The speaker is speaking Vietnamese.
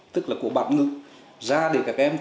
tức là của bản ngực ra để các em